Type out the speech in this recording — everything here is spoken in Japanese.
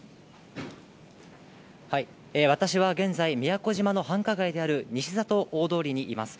私は現在、宮古島の繁華街である西里大通りにいます。